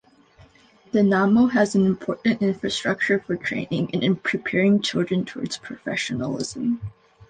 Dinamo has an important infrastructure for training and preparing children towards professionalism.